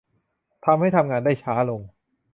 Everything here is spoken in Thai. ทำให้ทำงานได้ช้าลง